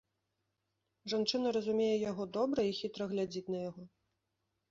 Жанчына разумее яго добра і хітра глядзіць на яго.